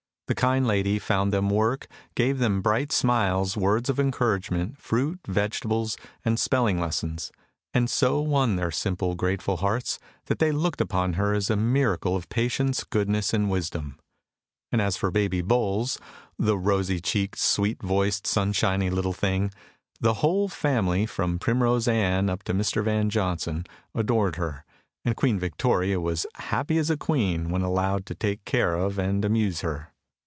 The kind lady found them work, gave them bright smiles, words of encouragement, fruit, vegetables, and spelling lessons, and so won their simple, grateful hearts that they looked upon her as a miracle of patience, goodness, and wisdom. And as for Baby Bowles the rosy cheeked, sweet voiced, sunshiny little thing the whole family, from Primrose Ann up to Mr. Van Johnson, adored her, and Queen Victoria was "happy as a queen" when allowed to take care of and amuse her.